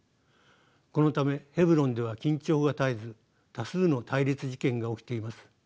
このためヘブロンでは緊張が絶えず多数の対立事件が起きています。